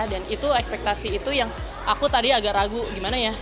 dan itu ekspektasi itu yang aku tadi agak ragu gimana ya